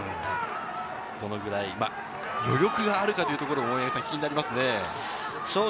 どのくらい余力があるかというところで気になりますね。